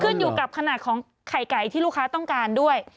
ขึ้นอยู่กับขนาดของไข่ไก่ที่ลูกค้าต้องการด้วย